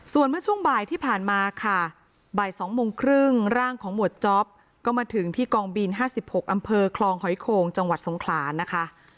ส่วนเมื่อช่วงบ่ายที่ผ่านมาค่ะบ่าย๒โมงครึ่งร่างของหมวดจ๊อปก็มาถึงที่กองบิน๕๖อำเภอคลองหอยโขงจังหวัดสงขลานะคะ